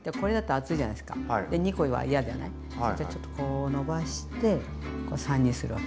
そしたらちょっとこう伸ばして３にするわけ。